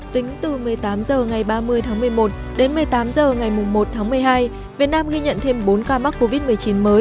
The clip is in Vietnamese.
tính từ một mươi tám h ngày ba mươi tháng một mươi một đến một mươi tám h ngày một tháng một mươi hai việt nam ghi nhận thêm bốn ca mắc covid một mươi chín mới